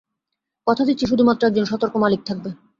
কথা দিচ্ছি, শুধুমাত্র একজন সতর্ক মালিক থাকবে।